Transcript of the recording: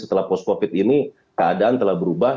setelah post covid ini keadaan telah berubah